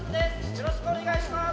・よろしくお願いします。